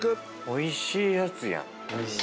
おいしいやつや。